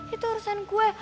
itu urusan gue